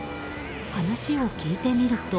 話を聞いてみると。